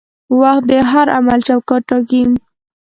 وخت د هر عمل چوکاټ ټاکي.